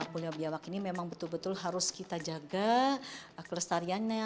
pulau biawak ini memang betul betul harus kita jaga kelestariannya